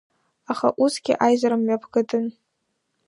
Аха усгьы аизара мҩаԥгатәын.